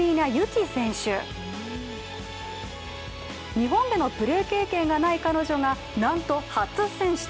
日本でのプレー経験がない彼女がなんと初選出。